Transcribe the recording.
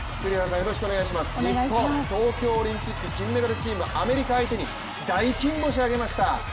日本、東京オリンピック金メダルチームアメリカ相手に大金星をあげました。